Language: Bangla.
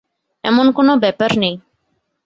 এমন কোনো ব্যাপার নেই।